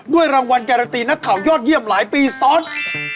รางวัลการันตีนักข่าวยอดเยี่ยมหลายปีซ้อน